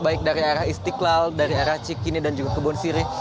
baik dari arah istiqlal dari arah cikini dan juga kebun sirih